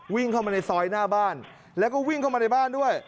วิ่งเข้ามาในซอยหน้าบ้านแล้วก็วิ่งเข้ามาในบ้านด้วย